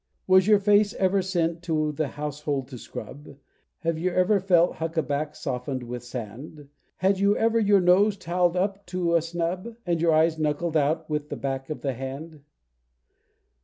Was your face ever sent to the housemaid to scrub? Have you ever felt huckaback soften'd with sand? Had you ever your nose towell'd up to a snub, And your eyes knuckled out with the back of the hand?